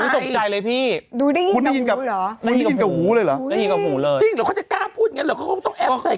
แล้วเขาจะกล้าพูดเเกิดแล้ว